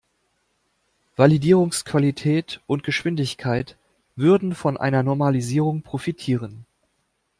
Validierungsqualität und -geschwindigkeit würden von einer Normalisierung profitieren.